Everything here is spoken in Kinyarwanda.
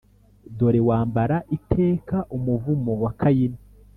dore wambara iteka umuvumo wa kayini!